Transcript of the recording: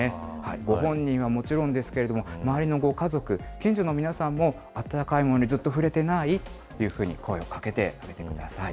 ご本人はもちろんですけれども、周りのご家族、近所の皆さんも、温かいものにずっと触れてない？っていうふうに、声をかけてあげてください。